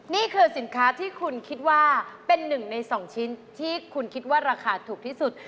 นี่คือสินค้าที่คุณคิดว่าเป็นหนึ่งใน๒ชิ้นที่คุณคิดว่าราคาถูกที่สุด